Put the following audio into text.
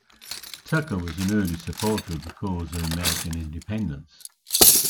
Tucker was an early supporter of the cause of American independence.